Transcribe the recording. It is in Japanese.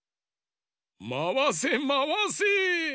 まわせまわせ。